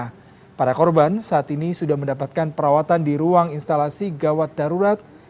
karena para korban saat ini sudah mendapatkan perawatan di ruang instalasi gawat darurat